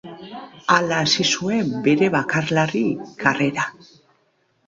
Hala hasi zuen bere bakarlari karrera.